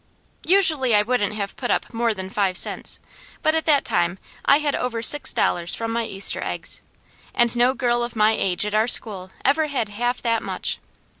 Usually, I wouldn't have put up more than five cents, but at that time I had over six dollars from my Easter eggs, and no girl of my age at our school ever had half that much.